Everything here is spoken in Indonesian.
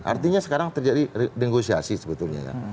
artinya sekarang terjadi negosiasi sebetulnya ya